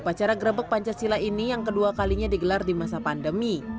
upacara grebek pancasila ini yang kedua kalinya digelar di masa pandemi